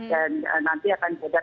dan nanti akan respon langsung di bandara